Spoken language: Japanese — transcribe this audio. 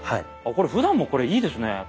これふだんもいいですね。